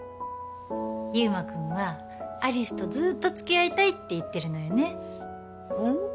祐馬君は有栖とずーっとつきあいたいって言ってるのよねうん？